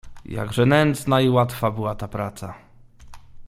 "Jakże nędzna i łatwa była ta praca!"